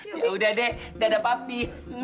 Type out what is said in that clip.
ya udah deh dadah papi